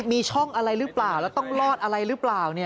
มีช่องอะไรหรือเปล่าแล้วต้องรอดอะไรหรือเปล่า